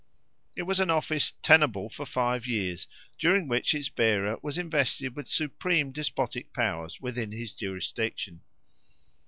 ... It was an office tenable for five years during which its bearer was invested with supreme despotic powers within his jurisdiction.